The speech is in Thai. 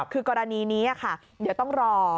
คือกรณีนี้ค่ะเดี๋ยวต้องรอ